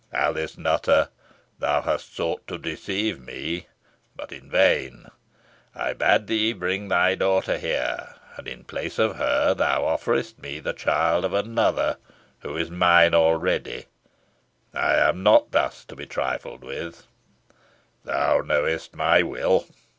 Alice Nutter, thou hast sought to deceive me, but in vain. I bade thee bring thy daughter here, and in place of her thou offerest me the child of another, who is mine already. I am not to be thus trifled with. Thou knowest my will.